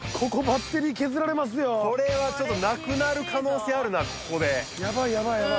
これはちょっとなくなる可能性あるなここでやばいやばいやばい